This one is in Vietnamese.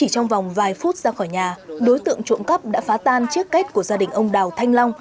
trong vòng vài phút ra khỏi nhà đối tượng trộm cắp đã phá tan chiếc kết của gia đình ông đào thanh long